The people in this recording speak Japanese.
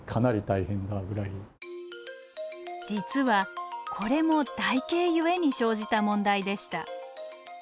実はこれも台形ゆえに生じた問題でした。